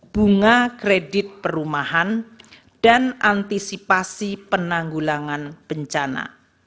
bunga kredit perumahan dan antisipasi penanggulangan bencana